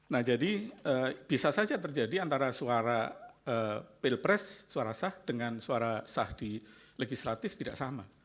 nah jadi bisa saja terjadi antara suara pilpres suara sah dengan suara sah di legislatif tidak sama